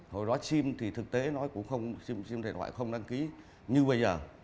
hồi đó sim thì thực tế nó cũng không sim điện thoại không đăng ký như bây giờ